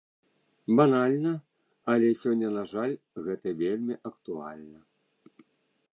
Банальна, але сёння, на жаль, гэта вельмі актуальна.